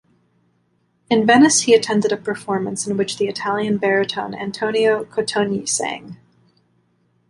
In Venice he attended a performance in which the Italian baritone Antonio Cotogni sang.